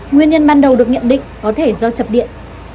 nguyên nhân ban đầu được nhận định có thể do chập điện